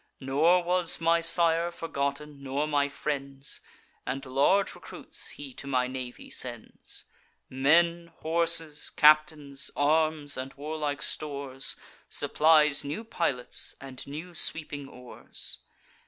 Nor was my sire forgotten, nor my friends; And large recruits he to my navy sends: Men, horses, captains, arms, and warlike stores; Supplies new pilots, and new sweeping oars.